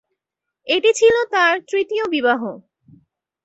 এটি ছিল তার তৃতীয় বিবাহ।